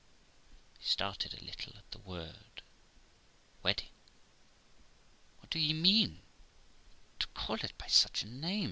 I started a little at the word wedding. 'What do ye mean, to call it by such a name?'